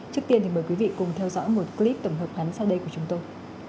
trước tiên thì mời quý vị cùng theo dõi một clip tổng hợp ngắn sau đây của chúng tôi